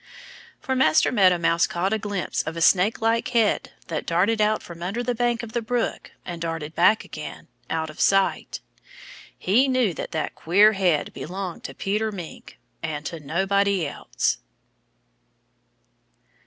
For Master Meadow Mouse caught a glimpse of a snakelike head that darted out from under the bank of the brook and darted back again, out of sight. He knew that that queer head belonged to Peter Mink, and to nobody else.